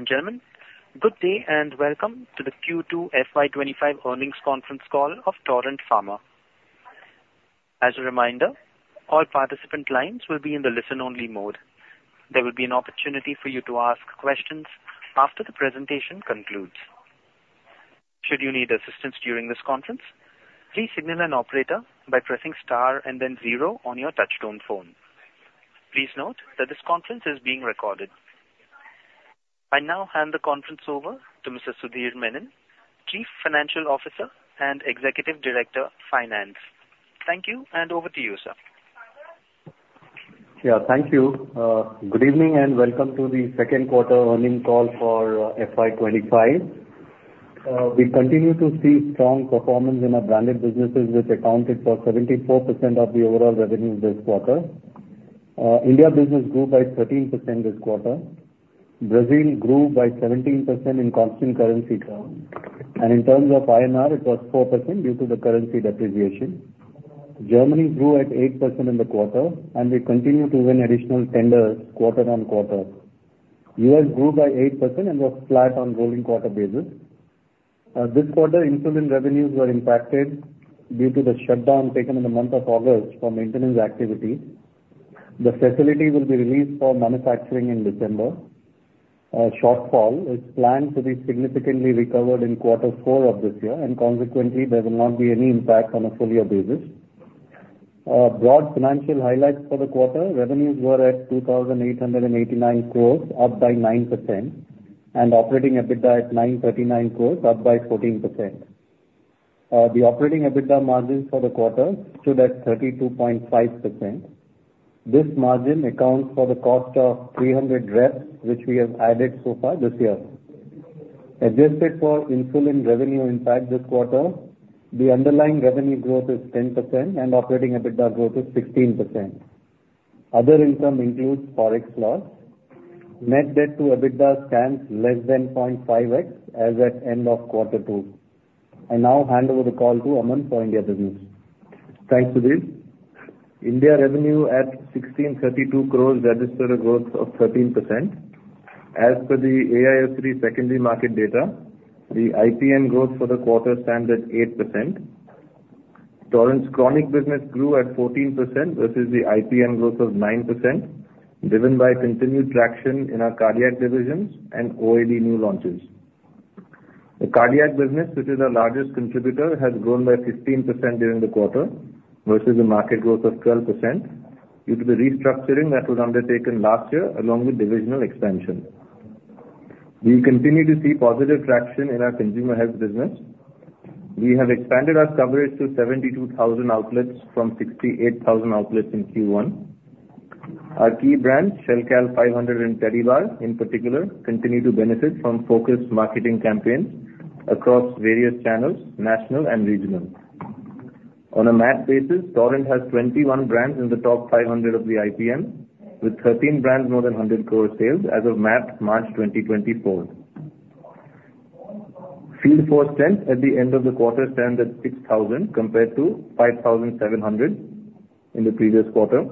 Ladies and gentlemen, good day, and welcome to the Q2 FY25 earnings conference call of Torrent Pharma. As a reminder, all participant lines will be in the listen-only mode. There will be an opportunity for you to ask questions after the presentation concludes. Should you need assistance during this conference, please signal an operator by pressing star and then zero on your touchtone phone. Please note that this conference is being recorded. I now hand the conference over to Mr. Sudhir Menon, Chief Financial Officer and Executive Director, Finance. Thank you, and over to you, sir. Yeah, thank you. Good evening, and welcome to the Q2 earnings call for FY 2025. We continue to see strong performance in our branded businesses, which accounted for 74% of the overall revenue this quarter. India business grew by 13% this quarter. Brazil grew by 17% in constant currency terms, and in terms of INR, it was 4% due to the currency depreciation. Germany grew at 8% in the quarter, and we continue to win additional tenders quarter-on-quarter. U.S. grew by 8% and was flat on rolling quarter basis. This quarter, insulin revenues were impacted due to the shutdown taken in the month of August for maintenance activity. The facility will be released for manufacturing in December. Shortfall is planned to be significantly recovered in Q4 of this year, and consequently, there will not be any impact on a full year basis. Broad financial highlights for the quarter, revenues were at 2,889, up by 9%, and operating EBITDA at 939, up by 14%. The operating EBITDA margin for the quarter stood at 32.5%. This margin accounts for the cost of 300 reps, which we have added so far this year. Adjusted for insulin revenue impact this quarter, the underlying revenue growth is 10% and operating EBITDA growth is 16%. Other income includes Forex loss. Net debt to EBITDA stands less than 0.5x as at end of Q2. I now hand over the call to Aman for India Business. Thanks, Sudhir. India Revenue at 1,632 registered a growth of 13%. As per the AIS three secondary market data, the IPM growth for the quarter stands at 8%. Torrent's chronic business grew at 14% versus the IPM growth of 9%, driven by continued traction in our cardiac divisions and OAD new launches. The cardiac business, which is our largest contributor, has grown by 15% during the quarter versus a market growth of 12%, due to the restructuring that was undertaken last year along with divisional expansion. We continue to see positive traction in our consumer health business. We have expanded our coverage to 72,000 outlets from 68,000 outlets in Q1. Our key brands, Shelcal 500 and Tedibar, in particular, continue to benefit from focused marketing campaigns across various channels, national and regional. On a MAT basis, Torrent has 21 brands in the top 500 of the IPM, with 13 brands more than 100 sales as of MAT, March 2024. Field force strength at the end of the quarter stands at 6,000 compared to 5,700 in the previous quarter.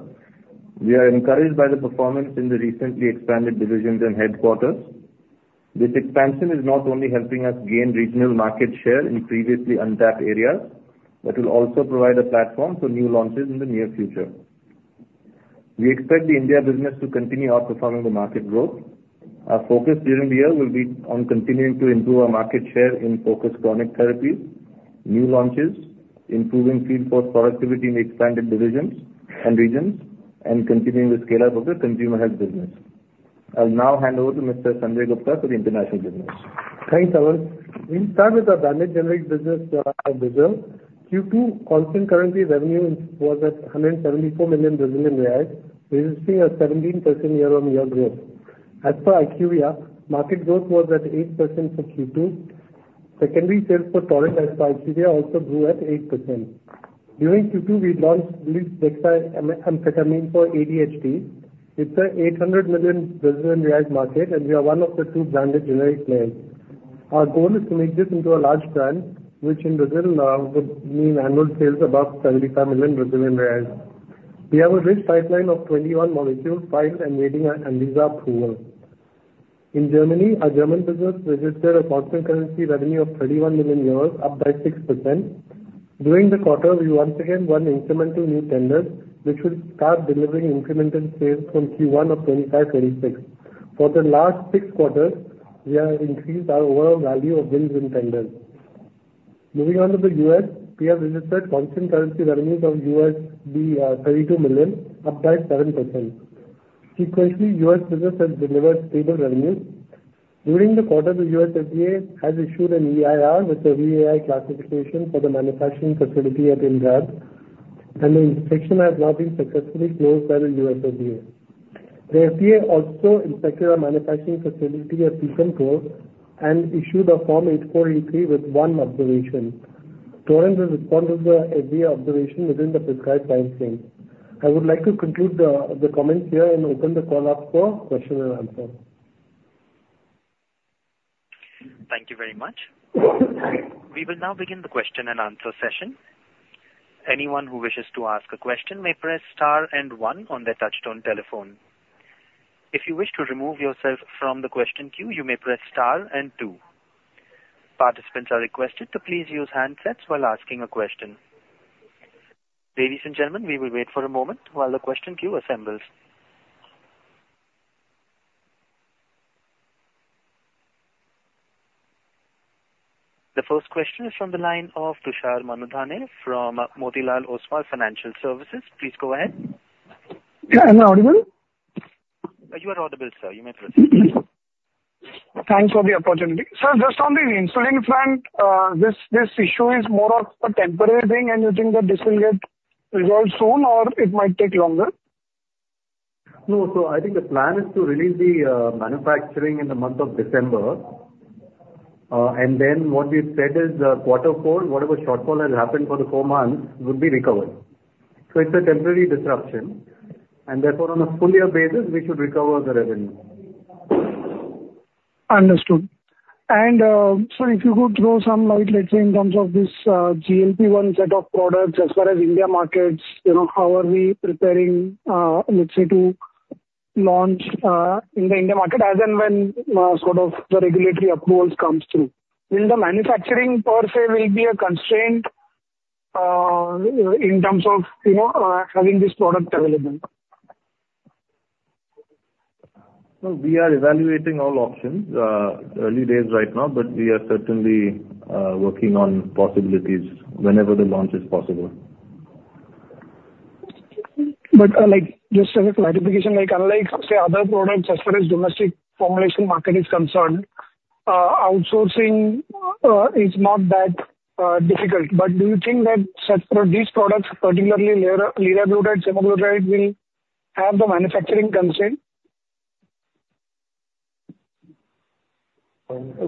We are encouraged by the performance in the recently expanded divisions and geographies. This expansion is not only helping us gain regional market share in previously untapped areas, but will also provide a platform for new launches in the near future. We expect the India business to continue outperforming the market growth. Our focus during the year will be on continuing to improve our market share in focused chronic therapies, new launches, improving field force productivity in expanded divisions and regions, and continuing the scale-up of the consumer health business. I'll now hand over to Mr. Sanjay Gupta for the International Business. Thanks, Aman. We'll start with our branded generic business in Brazil. Q2 constant currency revenue was at 174 million Brazilian reais, registering a 17% year-on-year growth. As for IQVIA, market growth was at 8% for Q2. Secondary sales for Torrent as per IQVIA also grew at 8%. During Q2, we launched Dexamphetamine for ADHD. It's a BRL 800 million market, and we are one of the two branded generic players. Our goal is to make this into a large brand, which in Brazil would mean annual sales above BRL 75 million. We have a rich pipeline of 21 molecules filed and waiting on Anvisa approval. In Germany, our German business registered a constant currency revenue of 31 million euros, up by 6%. During the quarter, we once again won incremental new tenders, which will start delivering incremental sales from Q1 of 2025, 2026. For the last six quarters, we have increased our overall value of wins in tenders. Moving on to the U.S., we have registered constant currency revenues of $32 million, up by 7%. Subsequently, U.S. business has delivered stable revenues. During the quarter, the U.S. FDA has issued an EIR with a VAI classification for the manufacturing facility at Indrad and the inspection has now been successfully closed by the U.S. FDA. The FDA also inspected our manufacturing facility at Pithampur and issued a Form 483 with one observation. Torrent has responded to the FDA observation within the prescribed time frame. I would like to conclude the comments here and open the call up for question and answer. Thank you very much. We will now begin the question and answer session. Anyone who wishes to ask a question may press star and one on their touch-tone telephone. If you wish to remove yourself from the question queue, you may press star and two. Participants are requested to please use handsets while asking a question. Ladies and gentlemen, we will wait for a moment while the question queue assembles. The first question is from the line of Tushar Manudhane from Motilal Oswal Financial Services. Please go ahead. Am I audible? You are audible, sir. You may proceed. Thanks for the opportunity. Sir, just on the insulin front, this issue is more of a temporary thing, and you think that this will get resolved soon, or it might take longer? No, so I think the plan is to release the manufacturing in the month of December, and then what we've said is that Q4, whatever shortfall has happened for the four months will be recovered, so it's a temporary disruption, and therefore, on a full year basis, we should recover the revenue. Understood. And, sir, if you could throw some light, let's say, in terms of this, GLP-1 set of products as far as India markets, you know, how are we preparing, let's say, to launch, in the India market, as and when, sort of the regulatory approvals comes through? Will the manufacturing per se will be a constraint, in terms of, you know, having this product available? No, we are evaluating all options. Early days right now, but we are certainly working on possibilities whenever the launch is possible. Just as a clarification, say, other products, as far as domestic formulation market is concerned, outsourcing is not that difficult. But do you think that these products, particularly Liraglutide, Semaglutide, will have the manufacturing concern?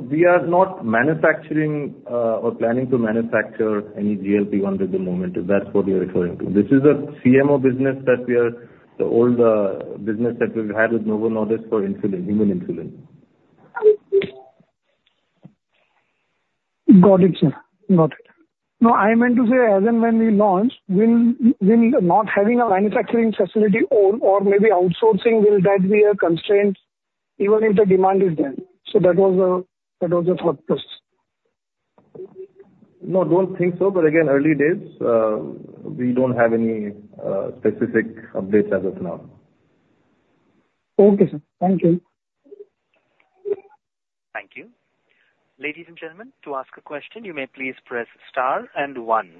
We are not manufacturing or planning to manufacture any GLP-1 at the moment, if that's what you're referring to. This is a CMO business. The old business that we've had with Novo Nordisk for human insulin. Got it, sir. Got it. No, I meant to say, as and when we launch, will not having a manufacturing facility of our own or maybe outsourcing, will that be a constraint even if the demand is there? So that was the thought first. No, don't think so, but again, early days, we don't have any specific updates as of now. Okay, sir. Thank you. Thank you. Ladies and gentlemen, to ask a question, you may please press star and one.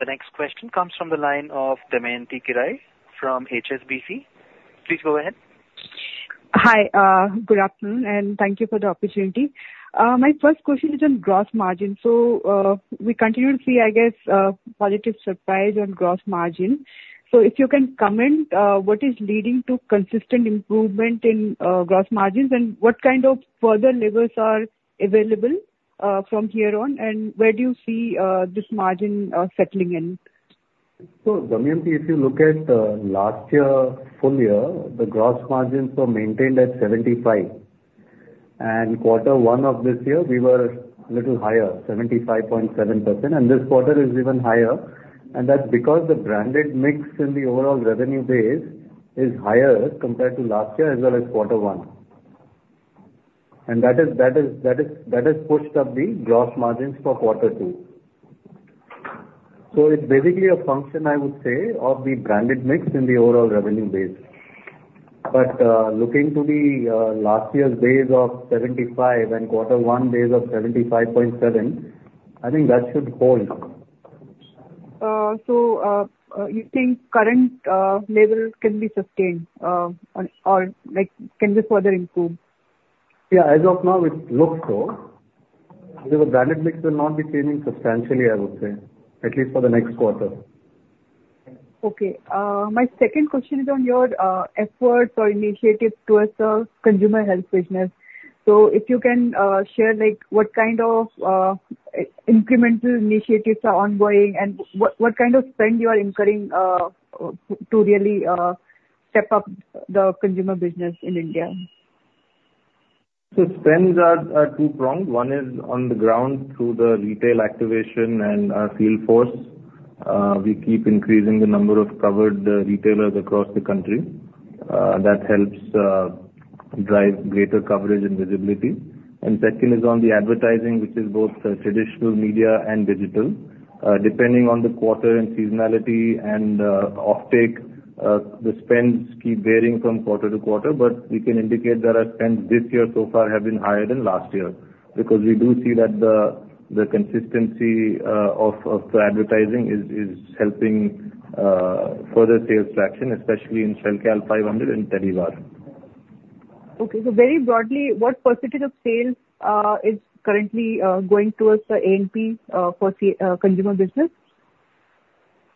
The next question comes from the line of Damayanti Kerai from HSBC. Please go ahead. Hi, good afternoon, and thank you for the opportunity. My first question is on gross margin. So, we continue to see, I guess, a positive surprise on gross margin. So if you can comment, what is leading to consistent improvement in gross margins, and what kind of further levers are available from here on, and where do you see this margin settling in? Damayanti, if you look at last year, full year, the gross margins were maintained at 75%, and Q1 of this year, we were a little higher, 75.7%, and this quarter is even higher. That's because the branded mix in the overall revenue base is higher compared to last year, as well as Q1. That has pushed up the gross margins for Q2. It's basically a function, I would say, of the branded mix in the overall revenue base. Looking to the last year's base of 75% and Q1 base of 75.7%, I think that should hold. You think current levels can be sustained, or like, can be further improved? Yeah, as of now, it looks so. Because the branded mix will not be changing substantially, I would say, at least for the next quarter. Okay. My second question is on your efforts or initiatives towards the consumer health business. So if you can share, like, what kind of incremental initiatives are ongoing and what kind of spend you are incurring to really step up the consumer business in India? So spends are two-pronged. One is on the ground through the retail activation and field force. We keep increasing the number of covered retailers across the country. That helps drive greater coverage and visibility. And second is on the advertising, which is both the traditional media and digital. Depending on the quarter and seasonality and offtake, the spends keep varying from quarter-to-quarter, but we can indicate that our spends this year so far have been higher than last year. Because we do see that the consistency of the advertising is helping further sales traction, especially in Shelcal 500 and Tedibar. Okay. So very broadly, what percentage of sales is currently going towards the A&P for consumer business?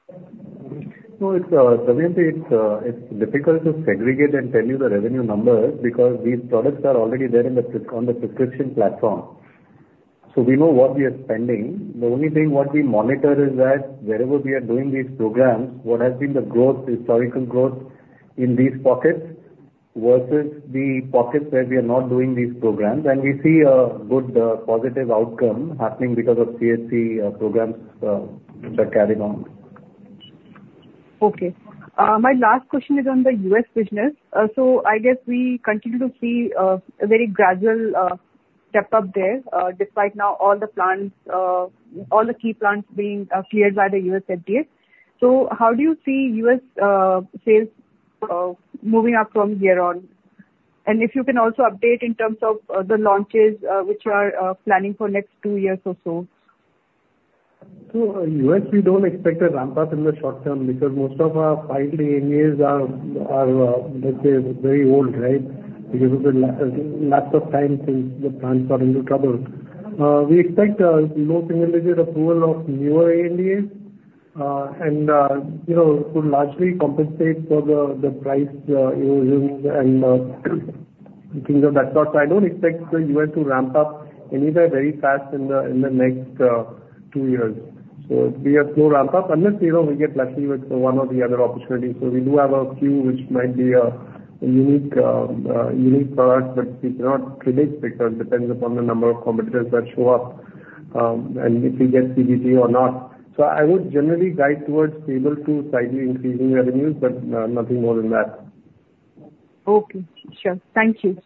No, it's Damayanti, it's difficult to segregate and tell you the revenue numbers, because these products are already there on the prescription platform. So we know what we are spending. The only thing what we monitor is that wherever we are doing these programs, what has been the growth, historical growth, in these pockets versus the pockets where we are not doing these programs, and we see a good positive outcome happening because of PHC programs that carry on. Okay. My last question is on the U.S. business. So I guess we continue to see a very gradual step-up there, despite now all the plants, all the key plants being cleared by the U.S. FDA. So how do you see U.S. sales moving up from here on? And if you can also update in terms of the launches which you are planning for next two years or so. So in the U.S., we don't expect a ramp-up in the short term, because most of our filing ANDAs are, let's say, very old, right? Because of the lapse of time since the plants got into trouble. We expect, more similarly, the approval of newer ANDAs, and, you know, could largely compensate for the, the price, erosions and, things of that sort. So I don't expect the U.S. to ramp up anywhere very fast in the, in the next, two years. So we have slow ramp-up unless, you know, we get lucky with one or the other opportunity. So we do have a few which might be, a unique, unique product, but we cannot predict, because it depends upon the number of competitors that show up, and if we get CDMO or not. So I would generally guide towards stable to slightly increasing revenues, but nothing more than that. Okay, sure. Thank you.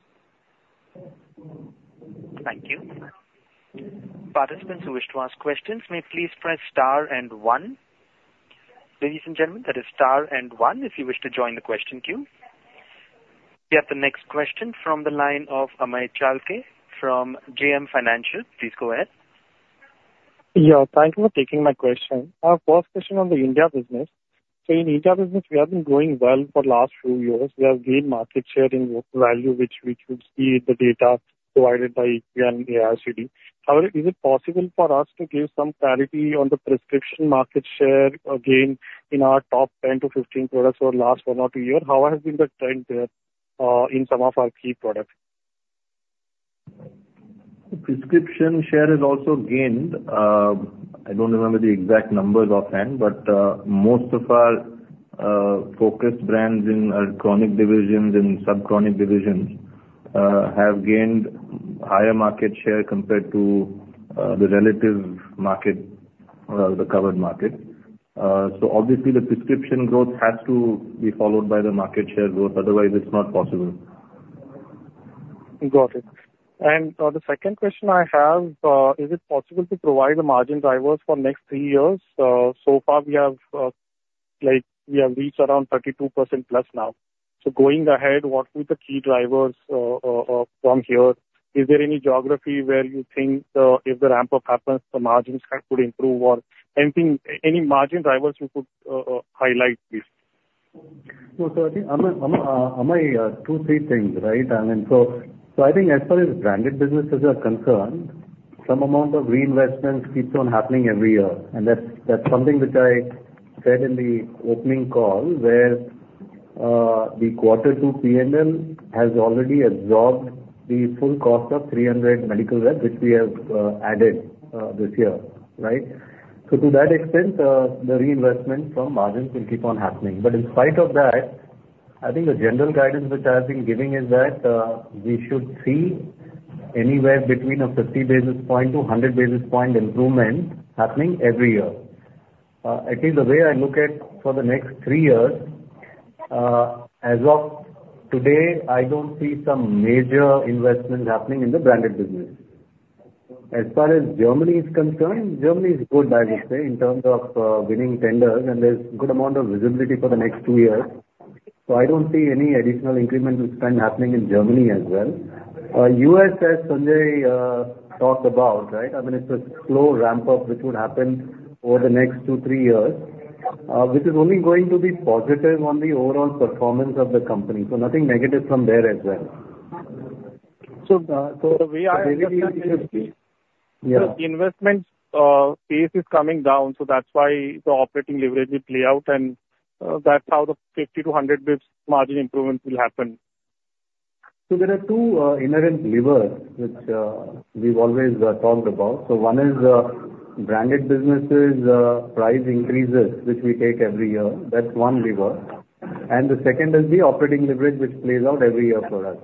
Thank you. Participants who wish to ask questions may please press star and one. Ladies and gentlemen, that is star and one if you wish to join the question queue. We have the next question from the line of Amey Chalke from JM Financial. Please go ahead. Yeah, thank you for taking my question. Our first question on the India business. So in India business, we have been growing well for last few years. We have gained market share in value, which we see the data provided by Indian AIOCD. However, is it possible for us to give some clarity on the prescription market share, again, in our top 10 to 15 products over the last one or two years? How has been the trend there in some of our key products? Prescription share has also gained. I don't remember the exact numbers offhand, but most of our focus brands in our chronic divisions and subchronic divisions have gained higher market share compared to the relative market, the covered market, so obviously the prescription growth has to be followed by the market share growth, otherwise it's not possible. Got it. And, the second question I have, is it possible to provide the margin drivers for next three years? So far we have, like, we have reached around 32% plus now. So going ahead, what will be the key drivers, from here? Is there any geography where you think, if the ramp-up happens, the margins could improve or anything, any margin drivers you could, highlight, please? No, so I think, Amay, two, three things, right? I mean, so I think as far as branded businesses are concerned, some amount of reinvestment keeps on happening every year. And that's something which I said in the opening call, where the Q2 P&L has already absorbed the full cost of 300 medical rep, which we have added this year, right? So to that extent, the reinvestment from margins will keep on happening. But in spite of that, I think the general guidance which I have been giving is that we should see anywhere between 50 basis point to 100 basis point improvement happening every year. At least the way I look at for the next three years, as of today, I don't see some major investments happening in the branded business. As far as Germany is concerned, Germany is good, I would say, in terms of winning tenders, and there's good amount of visibility for the next two years. So I don't see any additional incremental spend happening in Germany as well. U.S., as Sanjay talked about, right? I mean, it's a slow ramp-up, which would happen over the next two, three years, which is only going to be positive on the overall performance of the company, so nothing negative from there as well. The investment pace is coming down, so that's why the operating leverage will play out, and that's how the 50 to 100 basis points margin improvements will happen. So there are two inherent levers which we've always talked about. So one is branded businesses, price increases, which we take every year. That's one lever. And the second is the operating leverage, which plays out every year for us.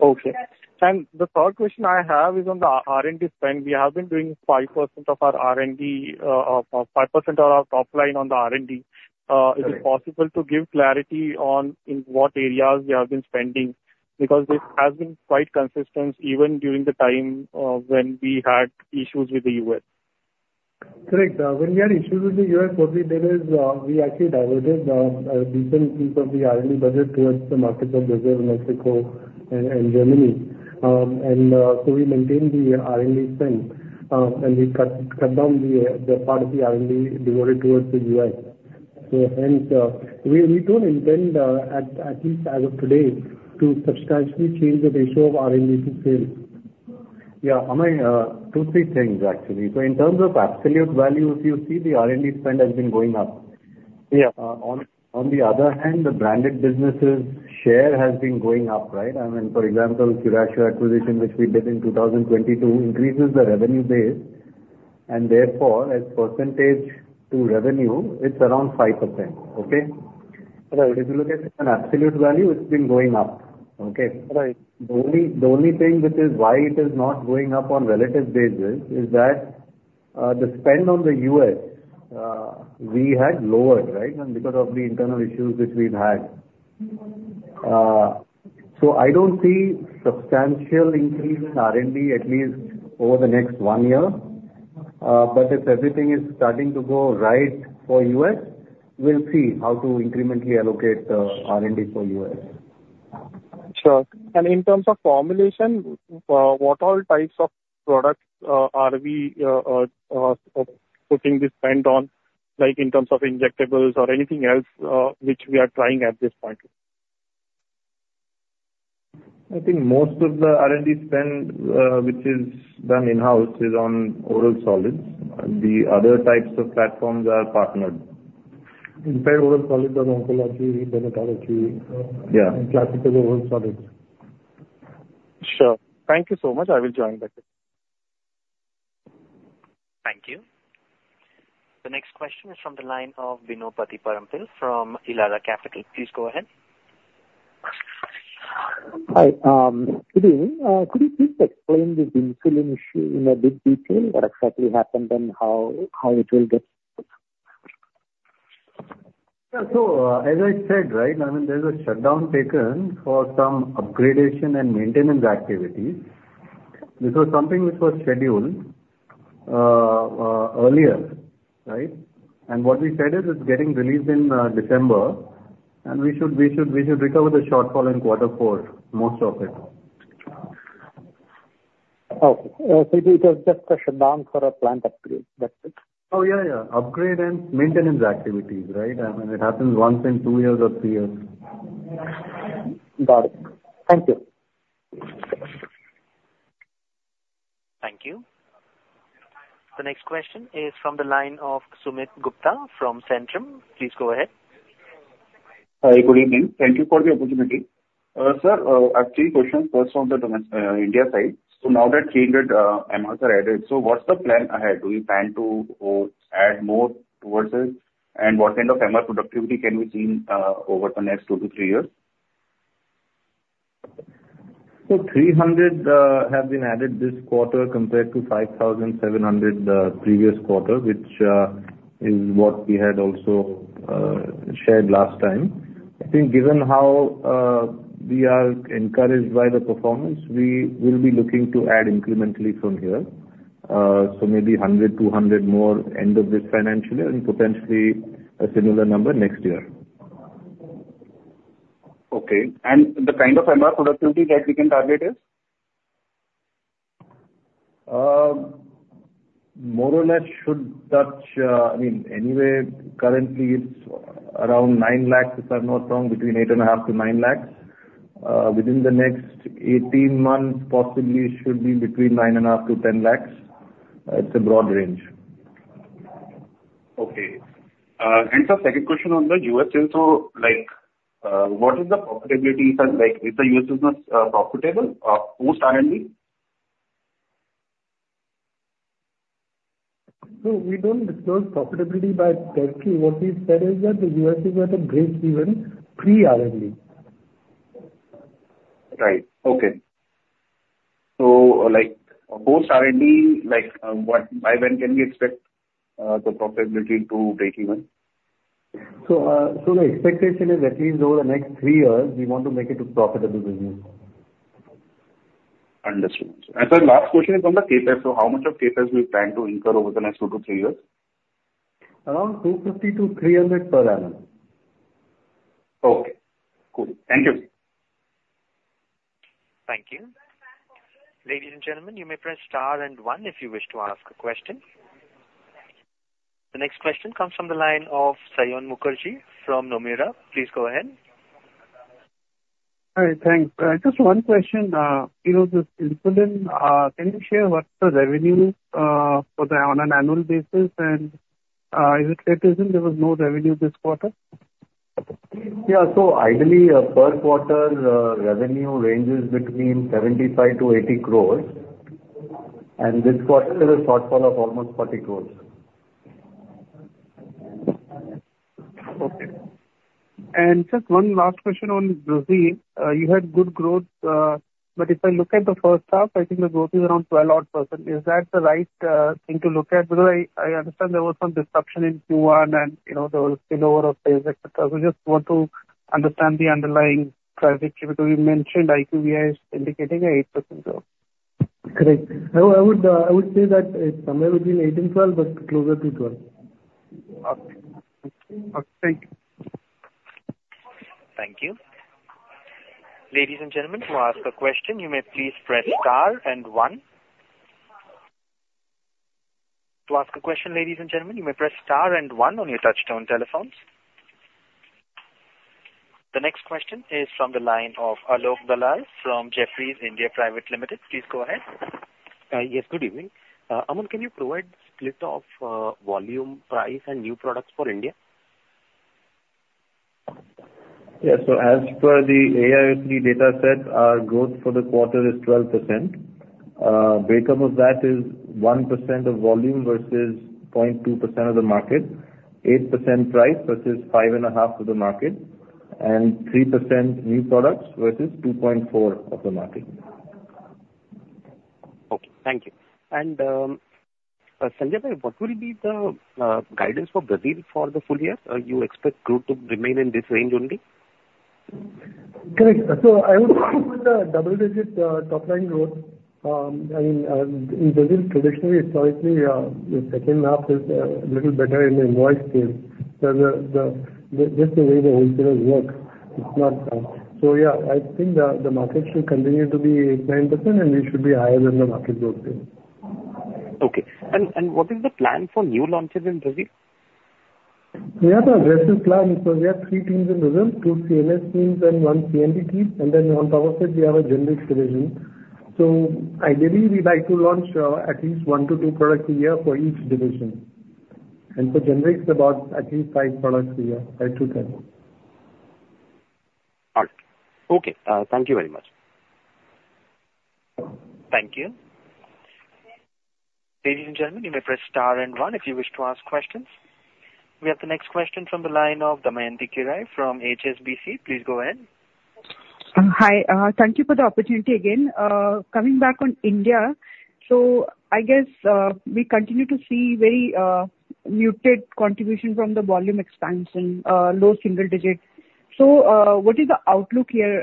Okay, and the third question I have is on the R&D spend. We have been doing 5% of our R&D, 5% of our top line on the R&D. Is it possible to give clarity on in what areas we have been spending? Because this has been quite consistent, even during the time, when we had issues with the U.S. Correct. When we had issues with the U.S., what we did is, we actually diverted a decent piece of the R&D budget towards the market of Brazil, Mexico and Germany. And so we maintained the R&D spend, and we cut down the part of the R&D devoted towards the U.S. So hence, we don't intend, at least as of today, to substantially change the ratio of R&D to sales. Yeah, Amay, two, three things actually. So in terms of absolute values, you see the R&D spend has been going up. Yeah, on the other hand, the branded businesses share has been going up, right? I mean, for example, Curatio acquisition, which we did in two thousand twenty-two, increases the revenue base, and therefore as percentage to revenue, it's around 5%. Okay? But if you look at an absolute value, it's been going up. The only, the only thing which is why it is not going up on relative basis is that, the spend on the U.S., we had lowered, right, and because of the internal issues which we've had, so I don't see substantial increase in R&D, at least over the next one year, but if everything is starting to go right for U.S., we'll see how to incrementally allocate the R&D for U.S.. Sure, and in terms of formulation, what all types of products are we putting the spend on, like, in terms of injectables or anything else, which we are trying at this point? I think most of the R&D spend, which is done in-house, is on oral solids. The other types of platforms are partnered. In fact, oral solids are oncology, dermatology. Classical oral solids. Sure. Thank you so much. I will join back. Thank you. The next question is from the line of Bino Pathiparampil from Elara Capital. Please go ahead. Hi, good evening. Could you please explain the insulin issue in a bit detail, what exactly happened and how it will get? Yeah. So, as I said, right, I mean, there's a shutdown taken for some upgradation and maintenance activity. This was something which was scheduled earlier, right? And what we said is, it's getting released in December, and we should recover the shortfall in Q4, most of it. Okay. So it is just a shutdown for a plant upgrade. That's it? Oh, yeah, yeah. Upgrade and maintenance activities, right? I mean, it happens once in two years or three years. Got it. Thank you. Thank you. The next question is from the line of Sumit Gupta from Centrum. Please go ahead. Hi, good evening. Thank you for the opportunity. Sir, actually, question first on the India side. So now that 300 MRs are added, so what's the plan ahead? Do you plan to add more towards this? And what kind of MR productivity can we see over the next two to three years? So 300 have been added this quarter, compared to 5,700 previous quarter, which is what we had also shared last time. I think given how we are encouraged by the performance, we will be looking to add incrementally from here. So maybe 100, 200 more end of this financial year, and potentially a similar number next year. Okay. And the kind of MR productivity that we can target is? More or less should touch, I mean, anyway, currently it's around nine lakh, if I'm not wrong, between 8.5 laks-9 lakhs. Within the next 18 months, possibly should be between 9.5 lakhs-10 lakhs. It's a broad range. Okay. And sir, second question on the U.S. sales. So like, what is the profitability side like? Is the U.S. business profitable post R&D? So we don't disclose profitability by country. What we said is that the U.S. is at a break even pre-R&D. Right. Okay. So like post R&D, like, what, by when can we expect the profitability to break even? The expectation is at least over the next three years, we want to make it a profitable business. Understood. And sir, last question is on the CapEx. So how much of CapEx do you plan to incur over the next two to three years? Around 250-300 per annum. Okay, cool. Thank you. Thank you. Ladies and gentlemen, you may press star and one if you wish to ask a question. The next question comes from the line of Saion Mukherjee from Nomura. Please go ahead. Hi, thanks. Just one question, you know, this insulin, can you share what's the revenue on an annual basis? And, is it that reason there was no revenue this quarter? Yeah. Ideally, per quarter, revenue ranges between 75 to 80, and this quarter there's shortfall of almost INR 40. Okay. And just one last question on Brazil. You had good growth, but if I look at the H1, I think the growth is around 12 odd percent. Is that the right thing to look at? Because I understand there was some disruption in Q1, and, you know, there was spillover of sales et cetera. We just want to understand the underlying trajectory, because you mentioned IQVIA is indicating an 8% growth. Correct. I would say that it's somewhere between eight and 12, but closer to 12. Okay. Okay, thank you. Thank you. Ladies and gentlemen, to ask a question, you may please press star and one. To ask a question, ladies and gentlemen, you may press star and one on your touchtone telephones. The next question is from the line of Alok Dalal from Jefferies India Private Limited. Please go ahead. Yes, good evening. Aman, can you provide split of volume, price, and new products for India? Yes. So as per the AIOCD dataset, our growth for the quarter is 12%. Breakup of that is 1% of volume versus 0.2% of the market, 8% price versus 5.5% of the market, and 3% new products versus 2.4% of the market. Okay, thank you. And, Sanjay, what will be the guidance for Brazil for the full year? You expect growth to remain in this range only? Correct. So I would with a double-digit top line growth, and in Brazil, traditionally, historically, the H2 is a little better in the invoice space. So just the way the wholesalers work, it's not. So yeah, I think the market should continue to be 8%-9%, and we should be higher than the market growth there. Okay. And, what is the plan for new launches in Brazil? We have an aggressive plan because we have three teams in Brazil, two CNS teams and one CMP team, and then on top of it, we have a generics division. So ideally, we'd like to launch at least one-to-two products a year for each division and for generics, about at least five products a year to 10. All right. Okay, thank you very much. Thank you. Ladies and gentlemen, you may press star and one if you wish to ask questions. We have the next question from the line of Damayanti Kerai from HSBC. Please go ahead. Hi. Thank you for the opportunity again. Coming back on India, so I guess, we continue to see very muted contribution from the volume expansion, low single digits. So, what is the outlook here?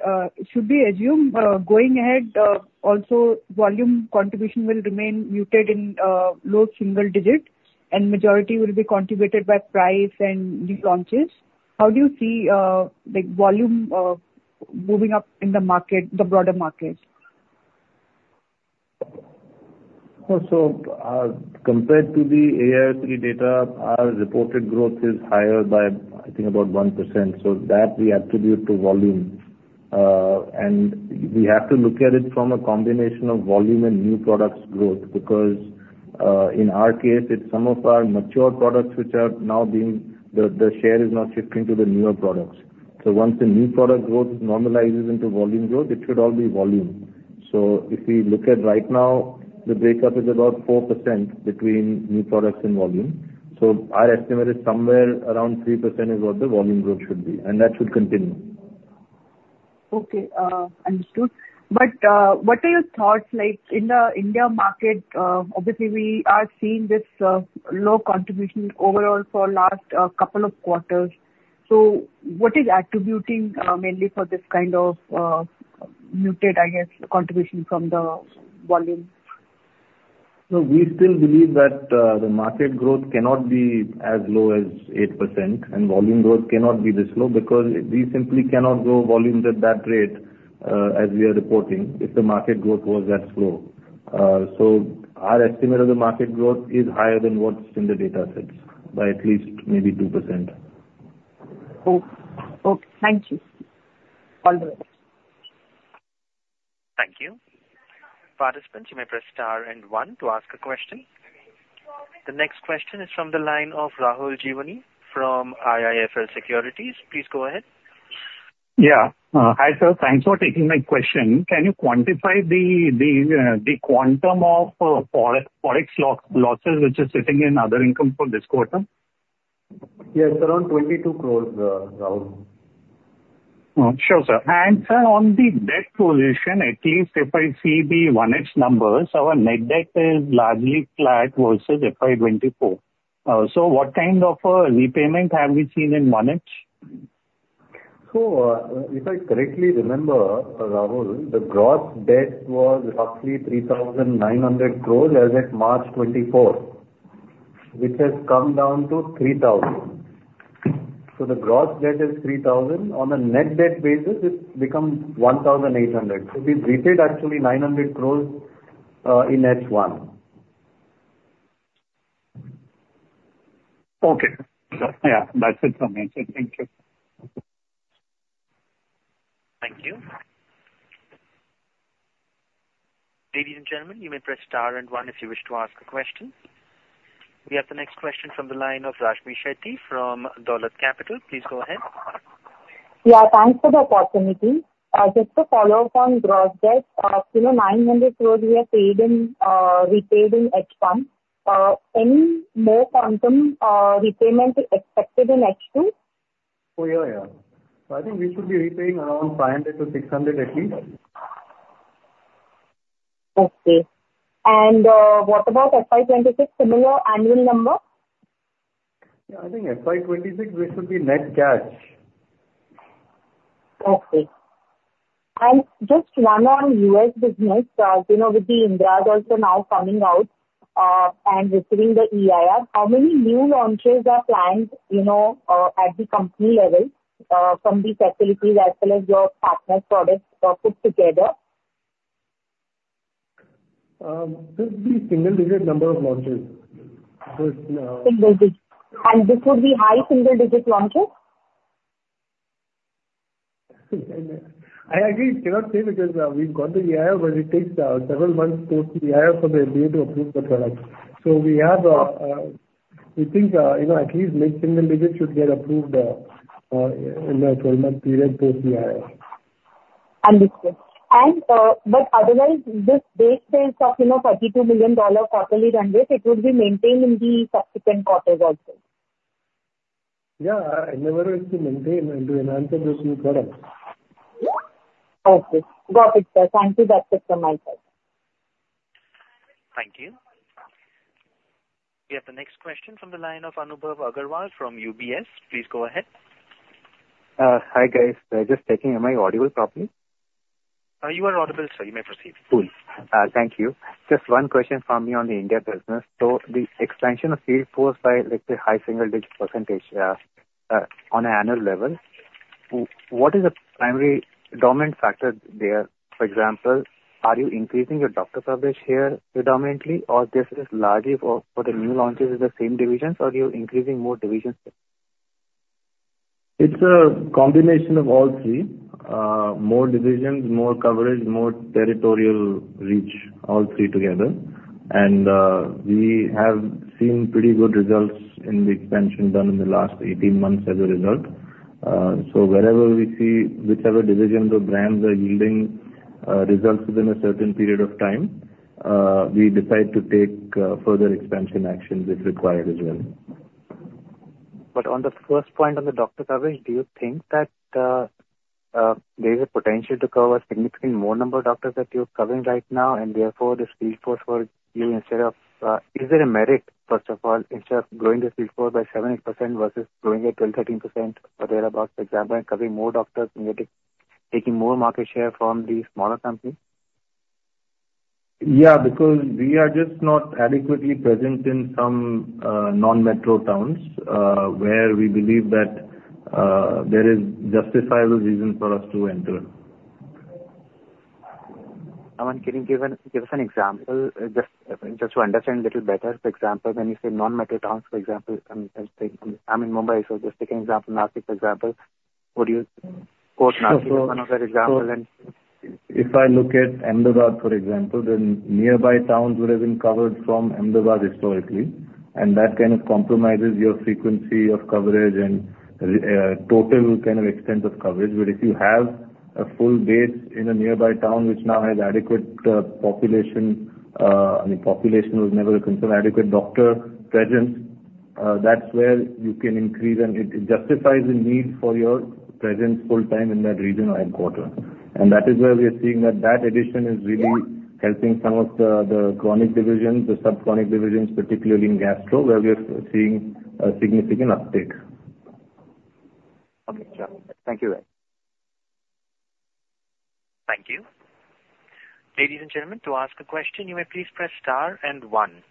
Should we assume, going ahead, also volume contribution will remain muted in low single digits, and majority will be contributed by price and new launches? How do you see the volume moving up in the market, the broader market? Oh, so, compared to the AIOCD data, our reported growth is higher by, I think, about 1%, so that we attribute to volume. And we have to look at it from a combination of volume and new products growth, because, in our case, it's some of our mature products which are now being. The share is now shifting to the newer products. So once the new product growth normalizes into volume growth, it should all be volume. So if we look at right now, the breakup is about 4% between new products and volume. So our estimate is somewhere around 3% is what the volume growth should be, and that should continue. Okay, understood. But, what are your thoughts, like, in the India market, obviously we are seeing this, low contribution overall for last, couple of quarters. So what is attributing, mainly for this kind of, muted, I guess, contribution from the volume? No, we still believe that, the market growth cannot be as low as 8%, and volume growth cannot be this low, because we simply cannot grow volumes at that rate, as we are reporting, if the market growth was that slow. So our estimate of the market growth is higher than what's in the data sets by at least maybe 2%. Okay. Thank you. All the best. Thank you. Participants, you may press Star and one to ask a question. The next question is from the line of Rahul Jeewani from IIFL Securities. Please go ahead. Yeah. Hi, sir, thanks for taking my question. Can you quantify the quantum of Forex losses which are sitting in other income for this quarter? Yes, around 22, Rahul. Sure, sir. And, sir, on the debt position, at least if I see the 1x numbers, our net debt is largely flat versus FY 2024. So what kind of a repayment have we seen in H1? So, if I correctly remember, Rahul, the gross debt was roughly 3,900 as at March 2024, which has come down toINR 3,000. So the gross debt is 3,000. On a net debt basis, it becomes 1,800. So we've repaid actually 900 in H1. Okay. Yeah, that's it from me. Thank you. Thank you. Ladies and gentlemen, you may press Star and one if you wish to ask a question. We have the next question from the line of Rashmi Shetty from Dolat Capital. Please go ahead. Yeah, thanks for the opportunity. Just to follow up on gross debt, so the 900 we have repaid in H1, any more quantum repayment is expected in H2? Oh, yeah, yeah. So I think we should be repaying around 500-600 at least. Okay. And, what about FY 2026, similar annual number? Yeah, I think FY 2026, we should be net cash. Okay. And just one on U.S. business, you know, with the Indrad also now coming out, and receiving the EIR, how many new launches are planned, you know, at the company level, from these facilities as well as your partner products, put together? Just the single-digit number of launches. But, Single digit and this would be high single-digit launches? I actually cannot say because we've got the EIR, but it takes several months post the EIR for the FDA to approve the product. So we think, you know, at least mid-single digits should get approved in the twelve-month period post EIR. Understood. And, but otherwise, this base sales of, you know, $32 million quarterly run rate, it would be maintained in the subsequent quarters also? Yeah, our endeavor is to maintain and to enhance it as we. Okay. Got it, sir. Thank you. That's it from my side. Thank you. We have the next question from the line of Anubhav Agarwal from UBS. Please go ahead. Hi, guys. Just checking, am I audible properly? You are audible, sir. You may proceed. Cool. Thank you. Just one question from me on the India business. So the expansion of field force by, let's say, high single-digit percentage, on an annual level, what is the primary dominant factor there? For example, are you increasing your doctor coverage here predominantly, or this is largely for the new launches in the same divisions, or you're increasing more divisions? It's a combination of all three. More divisions, more coverage, more territorial reach, all three together, and we have seen pretty good results in the expansion done in the last eighteen months as a result, so wherever we see whichever divisions or brands are yielding results within a certain period of time, we decide to take further expansion actions if required as well. But on the first point on the doctor coverage, do you think that there is a potential to cover significantly more number of doctors that you're covering right now, and therefore, the field force for you instead of, is there a merit, first of all, instead of growing the field force by 7%-8% versus growing it 12%-13% or thereabouts, for example, and covering more doctors and getting, taking more market share from the smaller companies? Yeah, because we are just not adequately present in some non-metro towns where we believe that there is justifiable reason for us to enter. Can you give us an example, just to understand a little better. For example, when you say non-metro towns, for example, let's take. I'm in Mumbai, so just take an example, Nashik, for example. Would you quote Nashik as another example, and- So if I look at Ahmedabad, for example, then nearby towns would have been covered from Ahmedabad historically, and that kind of compromises your frequency of coverage and total kind of extent of coverage. But if you have a full base in a nearby town which now has adequate population, I mean, population was never a concern, adequate doctor presence, that's where you can increase, and it justifies the need for your presence full-time in that region or in quarter. And that is where we are seeing that that addition is really helping some of the chronic divisions, the subchronic divisions, particularly in gastro, where we are seeing a significant uptick. Okay, sure. Thank you then. Thank you. Ladies and gentlemen, to ask a question, you may please press star and one.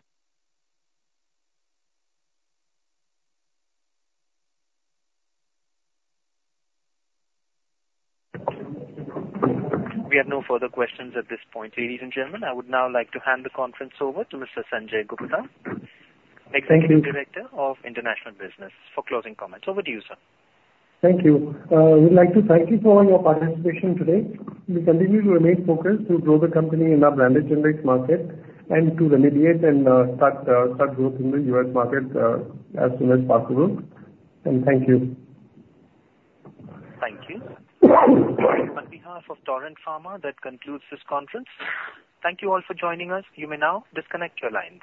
We have no further questions at this point. Ladies and gentlemen, I would now like to hand the conference over to Mr. Sanjay Gupta, Executive Director of International Business, for closing comments. Over to you, sir. Thank you. We'd like to thank you for all your participation today. We continue to remain focused to grow the company in our branded generic market and to remediate and start growth in the U.S. market as soon as possible. And thank you. Thank you. On behalf of Torrent Pharma, that concludes this conference. Thank you all for joining us. You may now disconnect your lines.